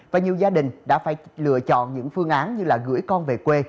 và nhiều gia đình đã phải lựa chọn những phương án như là gửi con về quê